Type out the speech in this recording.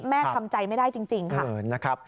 แม่คำใจไม่ได้จริงค่ะ